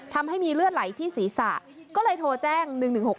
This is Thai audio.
ทำให้มีเลือดไหลที่ศีรษะก็เลยโทรแจ้ง๑๑๖๖